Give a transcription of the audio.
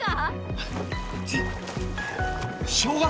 はい。